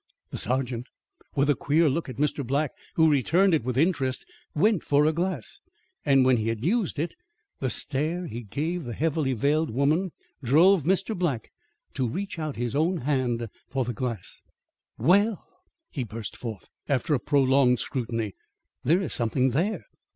The sergeant, with a queer look at Mr. Black, who returned it with interest, went for a glass, and when he had used it, the stare he gave the heavily veiled woman drove Mr. Black to reach out his own hand for the glass. "Well," he burst forth, after a prolonged scrutiny, "there is something there."